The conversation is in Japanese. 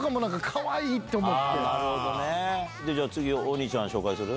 じゃあ次お兄ちゃん紹介する？